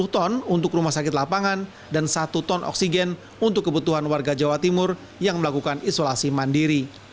sepuluh ton untuk rumah sakit lapangan dan satu ton oksigen untuk kebutuhan warga jawa timur yang melakukan isolasi mandiri